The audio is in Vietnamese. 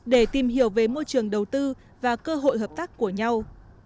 để tìm hiểu về môi trường đầu tư và cơ hội hợp tác của nhau